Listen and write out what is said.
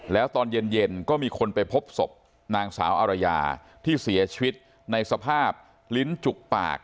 แล้วตอนเย็นก็มีคนไปพบศพนางสาวอารยาที่เสียชีวิตในสภาพลิ้นจุกปาก